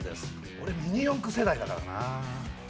俺ミニ四駆世代だからなあ。